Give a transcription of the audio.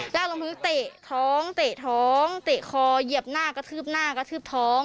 แล้วลงพื้นเตะท้องเตะท้องเตะคอเหยียบหน้ากระทืบหน้ากระทืบท้อง